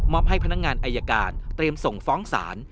ให้พนักงานอายการเตรียมส่งฟ้องศาล